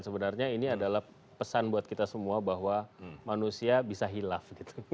sebenarnya ini adalah pesan buat kita semua bahwa manusia bisa hilaf